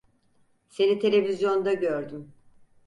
Seni televizyonda gördüm.